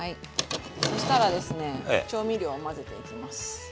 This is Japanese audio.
そしたらですね調味料を混ぜていきます。